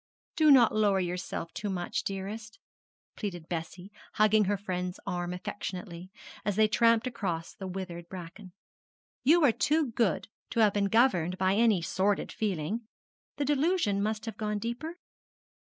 'Do not lower yourself too much, dearest,' pleaded Bessie hugging her friend's arm affectionately, as they tramped across the withered bracken.' You are too good to have been governed by any sordid feeling. The delusion must have gone deeper?'